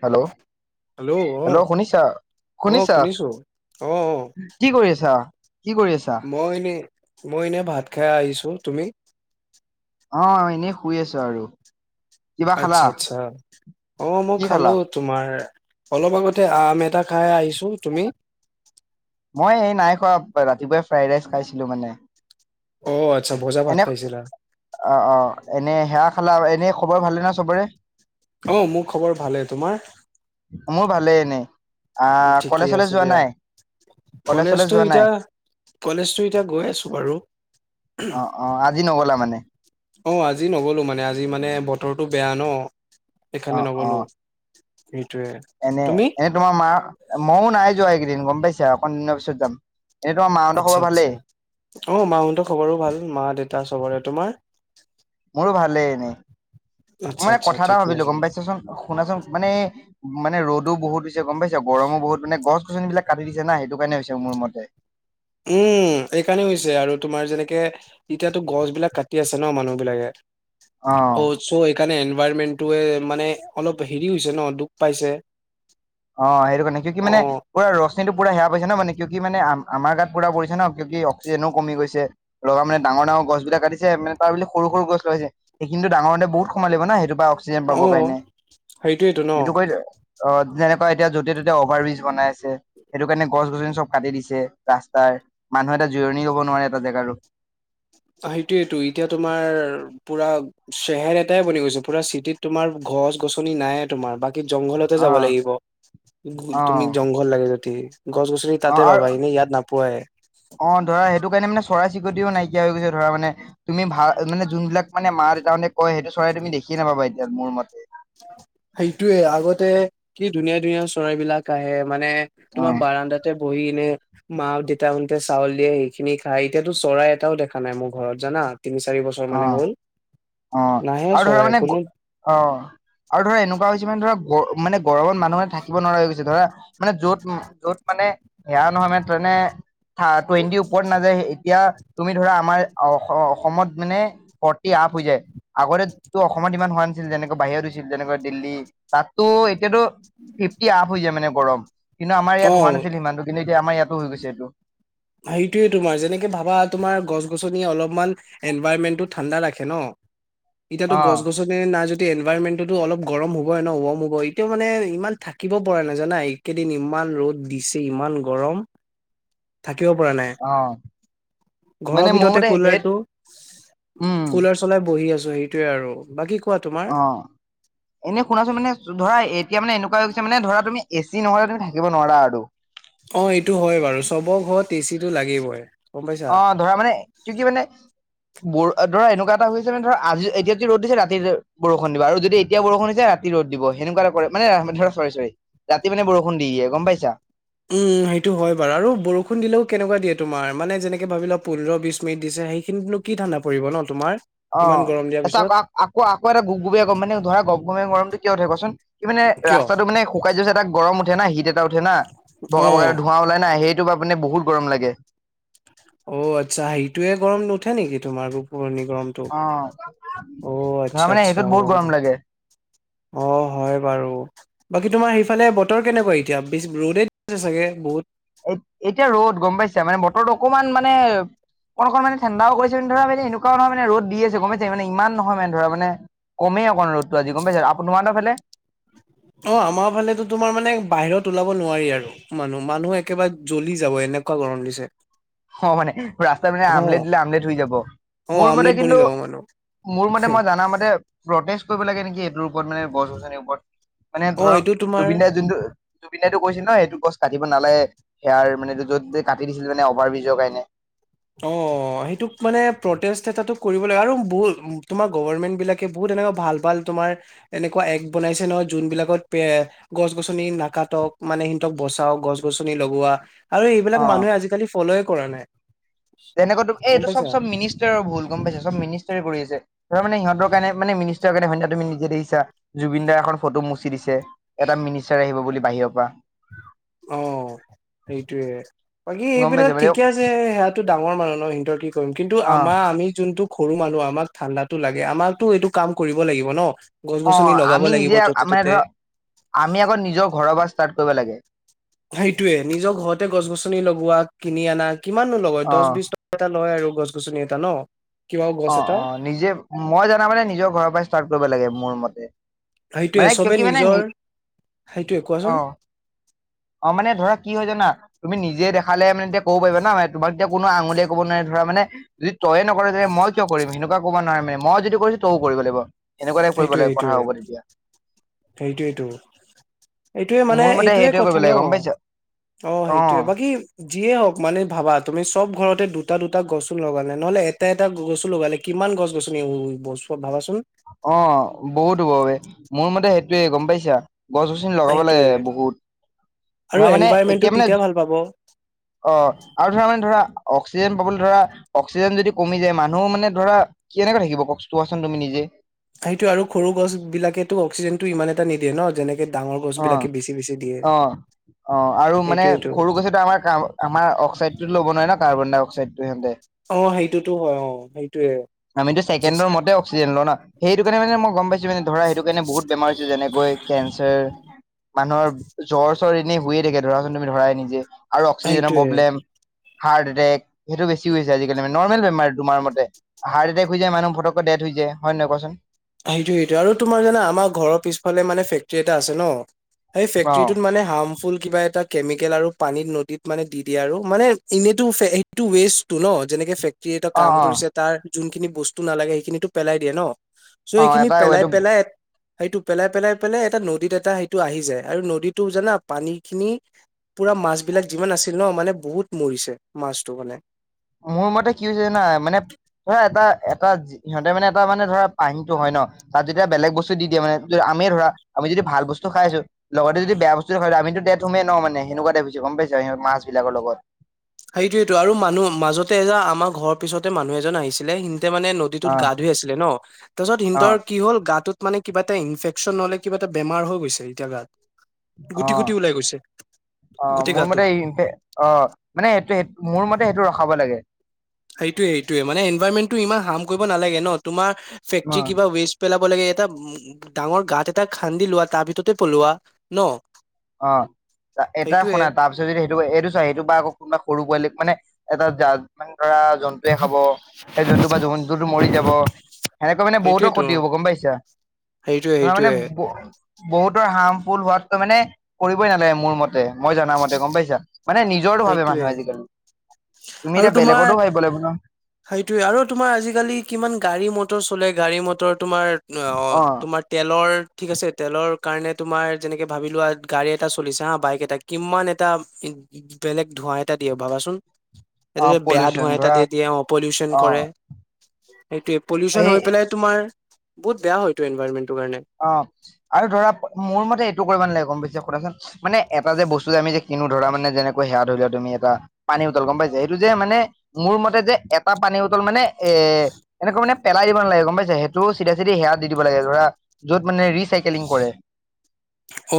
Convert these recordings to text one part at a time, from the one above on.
Hello hello. Hello অ শুনিছা-শুনিছা? শুনিছো অ অ কি কৰি আছা? কি কৰি আছা মই এনে মই এনে ভাত খাই আহিছো তুমি? অ এনেই শুই আছো আৰু। কিবা খালা আচ্ছা-আচ্ছা অ মই কি খালা খালো তোমাৰ অলপ আগতে আম এটা খাই আহিছো তুমি? মই এই নাই খোৱা ৰাতিপুৱাই ফ্ৰাইড ৰাইচ খাইছিলো মানে৷ অঁ আ এনে অ-অ এনে সেয়া খালা এনে খবৰ ভালে না চবৰে? অ মোৰ খবৰ ভালে। তোমাৰ? এনে আঁ কলেজ চলেজ যোৱা নাই? কলেজ চলেজ কলেজটো যোৱা নাই এতিয়া কলেজটো এতিয়া গৈ আছো বাৰু৷ অ-অ আজি নগলা মানে? অ আজি নগ'লো মানে আজি মানে বতৰটো বেয়া ন অ সেইকাৰণে অ নগলো। সেইটোয়ে এনে তুমি এনেই তোমাৰ মাৰ মইও নাই যোৱা এইকেইদিন গম পাইছা আৰু অকণ দিনৰ পিছত যাম ৷ আচ্ছা-আচ্ছা অঁ মাঁহত খবৰো ভাল মা দেউতা চবৰে তোমাৰ? মোৰো ভালেই এনেই আচ্ছা মই আচ্ছা কথা এটা ঠিকে ভাবিলো আছে গম পাইছাচোন শুনাচোন মানে মানে ৰ'দো বহুত দি হৈছে গম পাইছ গৰমো বহুত মানে গছ গছনিবিলাক কাটি দিছে না সেইটো কাৰণে হৈছে মোৰ মতে ৷ উম এই কাৰণে হৈছে আৰু তোমাৰ যেনে এতিয়াতো গছ বিলাক কাটি আছে ন মানুহ বিলাকে অ অ চ' সেইকাৰণে এনে এনভাইৰনমেনটোৱে মানে অলপ হেৰি হৈছে ন দুখ পাইছে ৷ অ সেইটো কাৰণে কিউ কি মানে ৰশ্মিটো পুৰা সেয়া পাইছে নহঁ মানে কিউ কি মানে আমাৰ গাত পুৰা পৰিছে ন কিযউ কি অক্সিজেনও কমি গছে লগ মানে ডাঙৰ ডাঙৰ গছ বিলাক কাটছে মে তাৰ বুলি সৰু সৰু গছ লৈছে সেই কিন্তু ডাঙৰতে বহুত সময় লাগিব ন সেইটো বা অক্সিজেন পাবৰ অ' কাৰণে সেইটোয়েতো ন সেটো কৰি অ যেনে এতিয়া য'তে ত'তে অভাৰ ব্ৰিজ বনাই আছে সেইটো কাৰণে গছ গছনি চব কাটি দিছে ৰাস্তাৰ মানুহে এটা জিৰণি ল'ব নোৱাৰে এটা জেগাৰো সেইটোয়েইটো এতিয়া তোমাৰ পুৰা চেহেৰ এটাই বনি গৈছো পুৰা চিটিত তোমাৰ গছ গছনি নাইে তোমাৰ বাক জংঘলতে যাব অ লাগিব অ তুমি জংঘল লাগে যদি ৷ গছ গছনি অ তাতে আৰু পাবা এনেই ইয়াত নাপোৱায় অ ধৰা ৷ সেইটো কাৰণে মানে চৰাই চিৰিকতিও নাইকিয়া হৈ গৈছে ধৰা মানে তুমি ভাল মানে যোনবিলাক- মা দেতাহতে কয় সেইটো চৰাই তুমি দেখিয়ে নাপাবা এতিয়া মোৰ মতে। ধুনীয়া-ধুনীয়া চৰাইবলাক আহে মানে অ তোমাৰ বাৰাণ্ডাতে বহি নে মা দেউতাহতে চাউল দিয়ে সেইখিনি খাই এতিয়াতো চৰাই এটাও দেখা নাই মোৰ ঘৰত জানা? তিনি চাৰি বছৰ মানে অ হ'ল অ', নাহে আৰু ধৰা মানে চৰাই কোনো অ'। আৰু ধৰা এনেকুৱা হৈছে মানে ধৰা মানে গৰমত মানুহ থাকিব নোৱাৰা হৈ গৈছে ধৰা মানে য'ত যত মানে সেয়া নহয় মানে, তেনে টুৱেণ্টিৰ ওপৰত নাযায় এতিয়া তুমি ধৰা আমাৰ অস অসমত মানে ফৰটি আপ হৈ যায় আগতেটো অসমত ইমান হোৱা নাছিল যেনেকৈ বাহিৰত হৈছিল যেনেকুৱা দিল্লী তাততো এতিয়াতো ফিফটি আপ হৈ যায় মানে গৰম কিন্তু আমাৰ অ ইয়াত হোৱা নাছিল সিমানটো কিন্তু আমাৰ ইয়াতো হৈ গৈছে এইটো সেইটোৱে তোমাৰ যেনেকে ভাবা তোমাৰ গছ গছনিয়ে অলপমান এনভাইৰণমেণ্টটো ঠাণ্ডা ৰাখে ন? এতিয়াতো গছ অ', গছনি নাই যদি এনভাইৰমেন্টটোতো অলপ গৰম হ'ব নহঁ ৱাৰম হ'ব এতিও মানে ইমান থাকিব পৰা জানা এইকেইদিন ইমান ইমান ৰ'দ দিছে ইমান গৰম। [inaudible] কিয় পৰা নাই। অ'। ঘৰৰ মানে মোৰ ভিতৰতে মতে সেই কুলাৰটো উম, কুলাৰ চলাই বহি আছ- সেইটোৱে আৰু বাকী। কোৱা তোমাৰ অহ এনে শুনাচোন মানে ধৰা এতিয়া মানে এনেকুৱা মানে ধৰা তুমি এ চি নহলে তুমি থাকিব নোৱাৰা আৰু অ এইটো হয় বাৰু চবৰ ঘৰত এই চিটো লাগিবই। গম পাইছা অ ধৰা মানে কি কি মানে বৰ ধৰা এনেকুৱা এটা হৈছে মান ধৰা আজি এতিয়া কি ৰ'দ দিছে ৰাতি বৰষুণ দিবা আৰু যদি এতিয়া বৰষুণ দিছে, ৰাতি ৰ'দ দিব সেনেকুৱা এটা কৰে। মানে ধৰ চৰি চৰি, ৰাতি মানে বৰষুণ দি দিয়ে গম পাইছা। উম সেইটো হয় বাৰু আৰু বৰষুণ দিলেও কেনেকুৱা দিয়ে তোমাৰ মানে যেনেকে ভাবি ল পোন্ধৰ বিশ মিনিট দিছে। সেইখিনো কি ঠাণ্ডা পৰিব ন তোমাৰ। অ ইমান গৰম দিয়াৰ তাইছত পিছত আক আকৌ আকৌ এটা গুপ গুপীয়া গৰম মানে ধৰা গুপগুপীয়া গৰমটো কিয় উঠে কোৱাচোন কি মানে কিয় ৰাস্তাটো মানে শুকাই যৈছে এটা গৰম উঠে ন হিট এটা উঠে না ভগা অ ভগা ধোঁৱা ওলাই নাই সেই টো পা মানে বহুত গৰম লাগে। অ আত্চ্ছা হেটোয়ে গৰম নুঠে নেকি তোমাৰ গোপপুৰি গমটো অ' অ ধৰা আত্চ্ছা মানে আত্চ্ছা সেইটোত বহুত গম গৰম পায়। লাগে। অ হয় বাৰু বাকী তোমাৰ সেই ফালে বতৰ কেনেকুৱা এতিয়া ৰ'দেই আছে চাগে বহুত এ এতিয়া ৰ'দ গম পাইছা মানে বতৰতো অকমান মানে অকণকণ মান ঠাণ্ডাও কৰিছে ম ধৰা মানে এনেকুৱা নহ মানে ৰ'দ দি আছে গমছে মানে ইমান নহয় মানে ধৰা মানে কমেই অকণ ৰ'দটো আজি গম পাইছ। আপ তোমালোকৰ ফালে? অ আমাৰ ফালেটো তোমাৰ মানে বাহিৰত ওলাব নোৱাৰি আৰু মানুহ মানুহ একেবাৰে জ্বলি যাব এন- এনেকুৱা গৰম দিছে। অ মানে ৰাস্তাত মানে আমলেট অ দিলে আমলেট হৈ যাব। অ মোৰ মতে আমলেট বনি কিন্তু। যাব মানুহ মোৰ মতে মই জানা মতে প্ৰতেছ কৰিব লাগে নেকি এইটোৰ ওপৰত মানে গছ গছনিৰ ওপৰত মানে অ ধৰক এইটো তোমাৰ জুবিন দাৰ যোনটো জুবিন দাই কৈছিল ন সেইটো গছ কাটিব নালাগে হেয়াৰ মানে য'ত কাটি দিছিল মানে অভাৰ বিজ। যগাইনে অ সেইটোক মানে প্ৰটেষ্ট এটাতো কৰিব লাগে আৰু বহুত তোমাৰ গভাৰমেন্ট বিলাকে বহুত এনেকুৱা ভাল ভাল তোমাৰ এক বনাইছে নহয় যোনবিলাকত তোমাৰ গছ গছনি গনি নাকাটক মানে সিহতক বচাও গছ গছনি লগোৱা আৰু এইবিলাক মানুহে আজিকালি ফলই কৰা নাই। তেনেকুৱা গম এইটো চব পাইছা চব মিনিষ্টাৰৰ ভুল গম পাইছে চব মিনিষ্টাৰে কৰি আছে। তাৰ মানে সিহঁতৰ কাৰণে মিনিষ্টাৰ কাৰণে স তুমি নিজে দেখছা জুবিনদাৰ এখন ফটো মুচি দিছে এটা মিনিষ্টাৰ আহিব বুলি বাহিৰৰ পৰা। অ সেইটোয়ে বাকী গম এইবিলাক পাইছা মানে ঠিকে আছে সেয়াটো ডাঙৰ মানুহ ন সিহঁত কি কৰিম কিন্তু অ আমাৰ আমি যোনটো সৰু মানুহ আমাক ঠাণ্ডাতো লাগে আমাকটো এইটো কাম কৰিব লাগিব ন। গছ গছনি অহ লগাব আমি লাগিব নিজে য'তে মানে ত'তে ধৰা আমি আকৌ নিজৰ ঘৰৰ পৰা ষ্টাৰ্ট কৰিব লাগে। সেইটোয়ে নিজৰ ঘৰতে গছ গছনি লগোৱা কিনি আনা কিমাননো লগয় অ দহ বিশ টকা এটা লয় আৰু। গছ গছনি এটা ন। কিবা গছ অ এটা অ নিজে মই জানা মানে নিজৰ ঘৰৰ পৰা ষ্টাৰ্ট কৰিব লাগে মোৰ মতে। সেইটোয়ে মানে কিয় চবেই কি মানে নি নিজৰ সেইটোৱে অ কোৱাচোন। অ মানে ধৰা কি হয় জানা তুমি নিজে দেখালে মানে এতিয়া ক'ব পাৰিবা ন তোমাৰ এতিয়া কোনো আঙুলিয়াই কব নোৱাৰে ধৰা মানে যদি তয়ে নকৰে যেতিয়া মই কিয় কৰিম সেনেকুৱা ক'ব নোৱাৰি মে মই যদি কৰিছো তইও কৰিব লাগিব। এনেকুৱাই কৰিব লাগে কথা হ'ব তেতিয়া। সেইটোৱেইতো এইটোৱে মানে মোৰ মতে এইটোৱে সেইটোৱে কৰিব কথা ন লাগে গম পাইছা অ সেইটোয়ে বাকী যিয়ে হওক মানে ভাবা তুমি চব ঘৰত তে দুটা-দুটা গছো লগালে, নহলে এটা-এটা গছো লগালে, কিমান গছ-গছনি হ- বচোৱা? ভাবাচোন। অ' বহুত হব বে। মোৰ মতে সেইটোৱে, গম পাইছা? গছ-গছনি লগাব লাগে সেইটোয়ে বহুত। আৰু ধৰা মানে, এনভাইৰনমেন্টটো এতিয়া মানে তেতিয়া ভাল পাব অ' আৰু ধৰা মানে ধৰা অক্সিজেন পাবলৈ ধৰা, অক্সিজেন যদি কমি যায়, মানুহ মানে ধৰা কেনেকে থাকিব ক- চোৱাচোন তুমি নিজে? সেইটো। আৰু সৰু গছবিলাকেতো অক্সিজেনটো ইমান এটা নিদিয়ে ন'? যেনেকে ডাঙৰ অ গছবিলাকে বেছি - বেছি দিয়ে। অ অ' আৰু মানে সেইটোয়েটো সৰু গছেটো আমাৰ কা- আমাৰ অক্সাইডটো ল'ব নোৱাৰে না, কাৰ্বন-ডাই-অক্সাইডতো সিহঁতে। অ' সেইটোতো হয়, অ'। সেইটোৱে। আমিতো ছেকেণ্ডৰ মতে অক্সিজেন লওঁ ন'? সেইটো কাৰণে মানে মই গম পাইছোঁ, মানে ধৰা সেইটো কাৰণে বহুত বেমাৰ হৈছে যেনেকৈ কেনচাৰ মানুহৰ জ্বৰ-চৰ এনেই হয়ে থাকে ধৰাচোন, তুমি ধৰাই নিজে। আৰু অক্সিজেনৰ সেইটোয়ে প্ৰব্লেম হাৰ্ট এটেক, সেইটো বেছি হৈছে আজিকালি। মানে নৰ্মেল বেমাৰ তোমাৰ মতে। হাৰ্ট এটেক হৈ যায় মানুহ ফটকে ডেথ হৈ যায়। হয় নে নহয় কোৱাচোন? সেইটো সেইটো আৰু তোমাৰ জানা আমাৰ ঘৰৰ পিছফালে মানে ফেক্টৰী এটা আছে ন সেই অ ফেক্টৰীটোত মানে হাৰ্মফুল কিবা এটা কেমিকেল আৰু পানীত- নদীত মানে দি দিয়ে আৰু। মানে এনেটো ফে- সেইটো ৱেষ্ট টো ন'? যেনেকে কি এটা অ কাম অ কৰিছে, তাৰ যোনখিনি বস্তু নালাগে সেইখিনিতো পেলাই দিয়ে ন'। ছো অ এইখিনি এটা পেলাই এইটো - পেলাই সেইটো পেলাই - পেলাই - পেলাই এটা নদীত এটা সেইটো আহি যায়। আৰু নদীতো জানা, পানীখিনি পুৰা মাছবিলাক যিমান আছিল ন', মানে বহুত মৰিছে মাছটো মানে। মোৰ মতে কি হৈছে জানা? মানে ধৰা এটা- এটা- সিহঁতে মানে এটা মানে ধৰা পানীটো হয় ন তাত যেতিয়া বেলেগ বস্তু দি দিয়ে মানে, আমিয়ে ধৰা, আমি যদি ভাল বস্তু খাই আছোঁ, লগতে যদি বেয়া বস্তু আমিতো দেথ হমেই ন', মানে সেনেকুৱা টাইপ হৈছে গম পাইছা? সে- মাছবিলাক লগত সেইটোৱেটো। আৰু মানুহ- মাজতে এজা আমাৰ ঘৰৰ পিছতে মানুহ এজন আহিছিলে তেতিয়া মানে অ নদীটোত গা ধুই আছিলে ন'? তাৰপিছত অ সিন্তৰ কি হ'ল, গাটোত মানে কিবা এটা ইনফেকচন নহ'লে কিবা এটা বেমাৰ হৈ গৈছে এতিয়া গাত। গুটি গুটি অ'। ওলাই গৈছে অ' গোটেই মোৰ মতে গাটোত ইনফে- অ' মানে এইটো- এ- মোৰ মতে সেইটো ৰখাব লাগে। সেইটোয়ে সেইটোয়ে মানে এনভাইৰনমেন্টটো ইমান হাৰ্ম কৰিব নালাগে ন তোমাৰ অ ফেক্টৰি কিবা ৱেষ্ট পেলা ব লাগে। এটা উ- ডাঙৰ গাত এটা খান্দি লোৱা, তাৰ ভিতৰতে পলোৱা, ন'? অ', এটা সেইটোয়ে শুনা, তাৰপিছত যদি সেইটো- এইটো চোৱা, সেইটো বা আকৌ কোনোবা সৰু পোৱালীক মানে এটা জ- মানে ধৰা জন্তুৱে খাব। সেই জন্তু বা জ- জন্তুটো মৰি যাব। সেনেকৈ মানে বহুতৰ সেইটোয়েতো ক্ষতি হব, গম পাইছা? সেইটোয়ে ধৰা মানে সেইটোয়ে বহুতৰ হাৰ্মফুল হোৱাতকৈ মানে কৰিবই নালাগে মোৰ মত তে। মই জানা মতে, গম পাইছা? মানে নিজৰটো ভাবে সেইটোয়ে মানুহে আজিকালি। তুমি এতিয়া বেলেগৰতো ভাবিব লাগিব ন'? সেইটোৱে। আৰু তোমাৰ আজিকালি কিমান গাড়ী-মটৰ চলে। গাড়ী মটৰ তোমাৰ অ'- তোমাৰ তেলৰ ঠিক আছে, তেলৰ কাৰণে তোমাৰ যেনেকে ভাবি লোৱা, গাড়ী এটা চলিছে হা, বাইক এটা। কিমান এটা বেলেগ ধোঁৱা এটা দিয়ে, ভাবাচোন? এটা অ যে বেয়া পলিউচন ধোঁৱা এটা ধৰা দি দিয়ে, অ- পলিউশন অ কৰে, সেইটোৱে। পলিউশন সেই হৈ পেলাই তোমাৰ বহুত বেয়া হয়টো এনভাইৰনমেন্ট। অ'। আৰু ধৰা, মোৰ মতে এইটো কৰিব নালাগে, গম পাইছে? শুনাচোন মানে এটা যে বস্তু যে আমি যে কিনো, ধৰা মানে যেনেকৈ সেয়া ধৰি লোৱা, তুমি এটা পানী বটল, গম পাইছে? সেইটো যে মানে মোৰ মতে যে এটা পানী বটল মানে এ- এনেকুৱা মানে পেলাই দিব নালাগে, গম পাইছে? সেইটো চিধা-চিধি সেয়াত দি দিব লাগে, ধৰা য'ত মানে ৰিচাইকেলিং কৰে।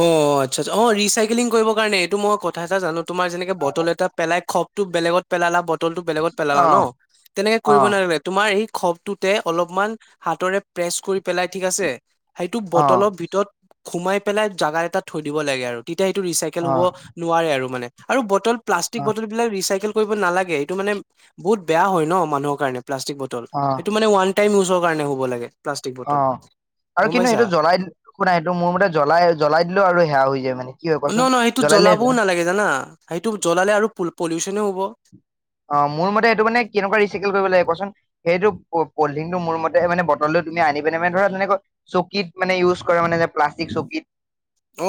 অ' আচ্ছা - আচ্ছা, অ' ৰিচাইকেলিং কৰিবৰ কাৰণে, এইটো মই কথা এটা জানো তোমাৰ যেনেকে বটল এটা পেলাই খপটো বেলেগত পেলালা ব টলটো বেলেগত পেলালা অ ন'? তেনেকে কৰিব অ নালাগে। তোমাৰ এই খবটোতে অলপমান হাতৰে প্ৰেচ কৰি পেলাই ঠিক আছে সেইটো অ', বটলৰ ভিতৰত সোমাই পেলাই জাগা এটা থৈ দিব লাগে আৰু এতিয়া সেইটো ৰিচাইকেল হ'ব অ', নোৱাৰে আৰু মানে আৰু বটল প্লাষ্টিক অ', বটল বিলাক ৰিচাইকেল নালাগে এইটো মানে বহুত বে হয় ন মানুহৰ কাৰণে প্লাষ্টিক বটল অ', সটো মানে ৱান টাইম উ কাৰণে হ'ব লাগে প্লাষ্টিক অ বটল, আৰু গম কিন্তু পাইছা? এইটো জ্বলাই দিল শুনাাই এইটো মোৰ মতে জ্বলাই জ্বলাই দিলেও আৰু সেয়া হৈ যায় মানে কি হয় ন কোৱাচোন? ন সেইটো জ্বলাই জ্বলাবও দিলে নালাগে জানা সেইটো জ্বলালে আৰু পলিউচনেও হ'ব। অ মোৰ মতে সেইটো মানে কেনেকুৱা ৰিচাইকেল কৰিব লাগে কচোন সেইটো পলডিংটো মোৰ মতে মানে বটলটো তুমি আনি পেনে মানে ধৰা তেনেকৈ চকীত মানে ইউজ কৰে মানে যে প্লাষ্টিক চকীত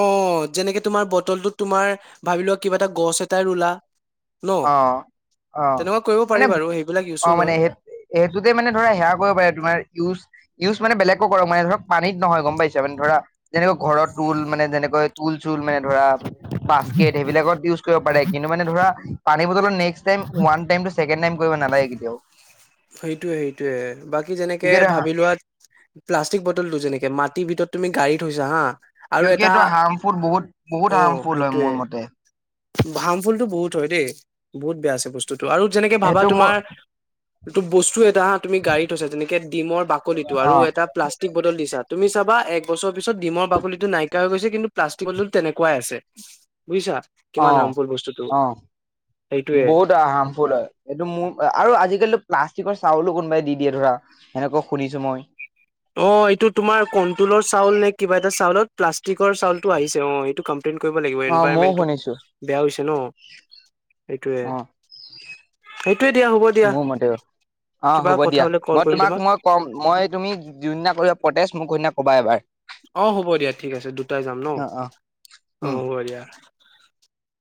অ' যেনেকে তোমাৰ বটলটোত তোমাৰ ভাবি লোৱা কিবা এটা গছ এটাই ৰুলা ন' অ অ তেনেকুৱা কৰিব মানে পাৰি বাৰু সেইবিলাক অ ইউজফুল মানে হয় স সেইটোতে মানে ধৰা সেৱয়া কৰিব পাৰে তোমাৰ ইউজ ইউজ মানে বেলেগকো কৰক মানে ধৰক পানীত নহয় গম পাইছে মানে ধৰা যেনেকৈ ঘৰৰ টুল মানে যেনেকৈ তুল চুল মানে ধৰা বাস্কেট সেইবিলাকত ইউজ কৰিব পাৰে কিন্তু মানে ধৰা পানী বতলটো নেক্স টাইম ওৱান টাইম টো চেকেণ্ড টাইম কৰিব নালাগে কেতিয়াও সেইটোয়ে সেইটোয়ে বাকী যেনেকে ভাবি কিউকি লোৱা প্লাষ্টিক বটলটো যেনেকে মাটিৰ ভিতৰত তুমি গাড়ী থৈছা হা আৰু কিয় কি এটা এইটো হাৰ্মফুল বহুত বহুত অ' হাৰ্মফুল হয় সেইটোয়ে মোৰ মতে হাৰ্মফুলটো বহুত হয় দেই বহুত বেয়া আছে বস্তুটো আৰু যেনেকে ভাবা সেইটো মোৰ তোমাৰ ত বস্তু এটা তুমি গাড়ীতছা যেনেকে ডিমৰ বাকলিটো অ আৰু এটা প্লাষ্টিক বটল দিছা তুমি চাবা এক বছৰৰ পিছত ডিমৰ বাকলি টো নাইিয়া হৈ গৈছে কিন্তু প্লাষ্টিকৰো তেনেকুৱাই আছে বুজিছা অ কিমান হআফুল বস্তুটো অ সেইটোয়ে বহুত হাৰ্মফুল হয় এইটো মোৰ আৰু আজিকালিতো প্লাষ্টিক তিকৰ চাউলো কোনোবাই দি দিয়ে ধৰা সেনেকুৱা শুনিছো মই অ এইটো তোমাৰ কুন্তলৰ চাউল নে কিবা এটা চাউলত প্লাষ্টিকৰ চাউলটো আহিছে অ এইটো অ এনেকুৱা মইও [unintelligible] টো শুনিছো বেয়া হৈছে ন [unintelligible] সেইটোৱে অ সে [unintelligible] মোৰ মতেও অ কিবা হ'ব কথা দিয়া হলে কল মই কৰিম তোমাক মই কম মই তুমি যোনদিনা কৰিব পতেজ মোক সুদিনা ক'বা এবাৰ [unintelligible] অ হ'ব দিয়া ঠিক আছে দুটাই যাম ন অ অ অ উম হ'ব দিয়া।